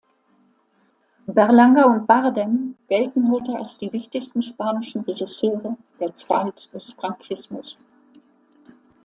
Berlanga und Bardem gelten heute als die wichtigsten spanischen Regisseure der Zeit des Franquismus.